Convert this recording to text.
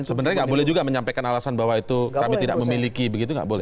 sebenarnya nggak boleh juga menyampaikan alasan bahwa itu kami tidak memiliki begitu nggak boleh